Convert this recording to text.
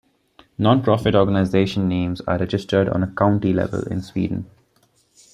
Non-profit organisation names are registered on county level in Sweden.